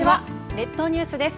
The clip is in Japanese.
列島ニュースです。